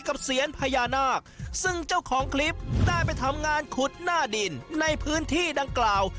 เสียญพญานาคซึ่งเจ้าของคลิปได้ไปทำงานขุดหน้าดินในพื้นที่ดังกล่าว